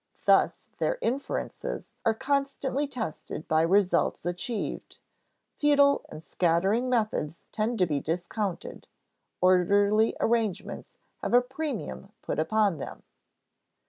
Thus their inferences are constantly tested by results achieved; futile and scattering methods tend to be discounted; orderly arrangements have a premium put upon them.